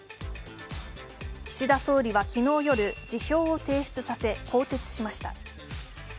岸田総理は昨日夜、辞表を提出させ更迭しました。